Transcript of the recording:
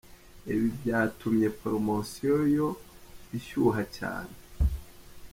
Ibi byatumye poromosi yo ishyuha cyane!.